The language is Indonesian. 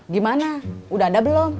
gimana udah ada belum